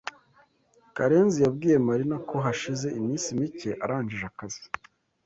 Karenzi yabwiye Marina ko hashize iminsi mike arangije akazi.